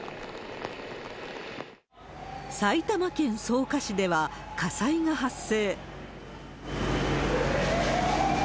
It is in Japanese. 埼玉県草加市では、火災が発生。